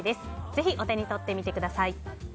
ぜひお手に取ってみてください。